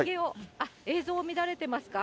映像、乱れていますか。